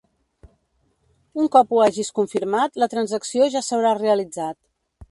Un cop ho hagis confirmat la transacció ja s'haurà realitzat.